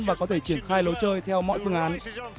và có thể triển khai lối chơi theo mọi phương án